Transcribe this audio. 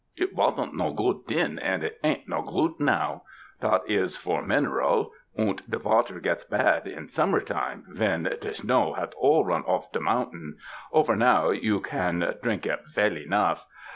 It vasn't no goot den unt it ain't no goot now— dot is for min eral, unt de vater gets bad in summer time, ven de snow has all run off de mountain ; ofer now you can drink it veil enough.